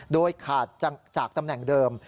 โดยขาดจากตำแหน่งเดิม